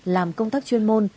làm công tác chuyên môn